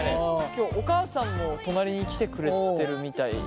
今日お母さんも隣に来てくれてるみたい。